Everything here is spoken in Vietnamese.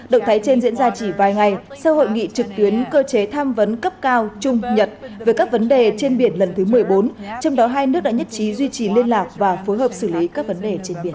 động thái trên diễn ra chỉ vài ngày sau hội nghị trực tuyến cơ chế tham vấn cấp cao trung nhật về các vấn đề trên biển lần thứ một mươi bốn trong đó hai nước đã nhất trí duy trì liên lạc và phối hợp xử lý các vấn đề trên biển